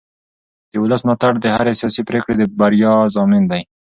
د ولس ملاتړ د هرې سیاسي پرېکړې د بریا ضامن دی